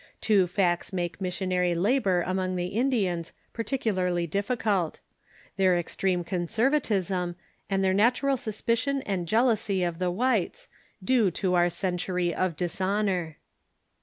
Two facts make missionary labor among the Indians peculiarly dif ficult— their extreme conservatism and their natural suspicion and jealousy of the whites, due to our Century of Dishonor.